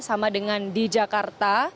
sama dengan di jakarta